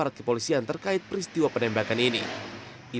humas polda membenarkan penembakan ini